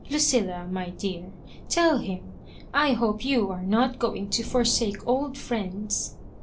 Lucilla, my dear, tell him — I hope you are not going to forsake old friends."